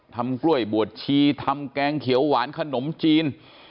ทำกล้วยบวชชีทำแกงเขียวหวานขนมจีน